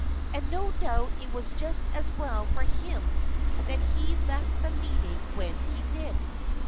And no doubt it was just as well for him that he left the meeting when he did.